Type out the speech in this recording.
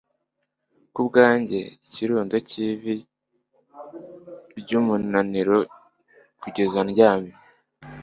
Kubwanjye ikirundo cyivu ryumunaniro kugeza ndyamye